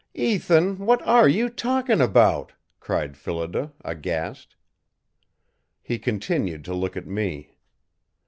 "Ethan, what are you talking about?" cried Phillida, aghast. He continued to look at me.